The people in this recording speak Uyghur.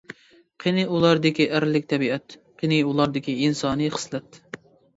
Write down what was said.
قېنى ئۇلاردىكى ئەرلىك تەبىئەت، قېنى ئۇلاردىكى ئىنسانىي خىسلەت.